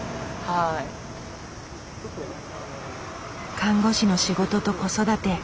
看護師の仕事と子育て。